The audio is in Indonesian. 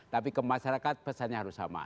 tapi ke masyarakat pesannya harus sama